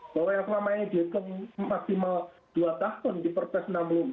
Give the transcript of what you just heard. bahwa yang selamanya dihitung maksimal dua tahun di perpes enam puluh empat